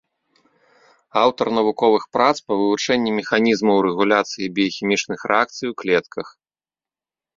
Аўтар навуковых прац па вывучэнні механізмаў рэгуляцыі біяхімічных рэакцый у клетках.